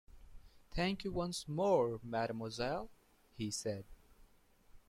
"Thank you once more, mademoiselle," he said.